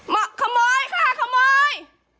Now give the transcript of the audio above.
ขโมยค่ะขโมย